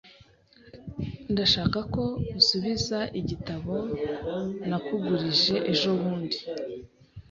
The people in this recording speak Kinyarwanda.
Ndashaka ko usubiza igitabo nakugurije ejobundi .